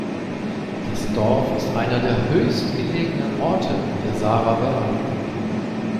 Das Dorf ist einer der höchstgelegenen Orte der Saarer Berge.